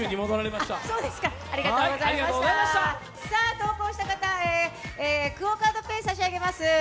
投稿した方、ＱＵＯカードＰａｙ差し上げます。